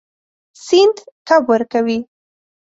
سیند کب ورکوي.